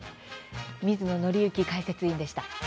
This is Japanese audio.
水野倫之解説委員でした。